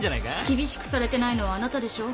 厳しくされてないのはあなたでしょ。